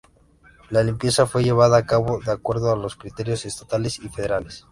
La limpieza fue llevada a cabo de acuerdo a los criterios estatales y federales.